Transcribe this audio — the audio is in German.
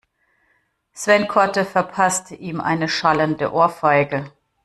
Sven Korte verpasste ihm eine schallende Ohrfeige.